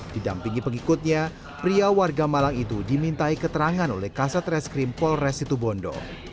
didampingi pengikutnya pria warga malang itu dimintai keterangan oleh kaset reskrim polres situ bondo